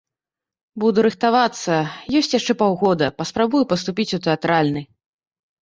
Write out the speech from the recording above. Буду рыхтавацца, ёсць яшчэ паўгода, паспрабую паступіць у тэатральны.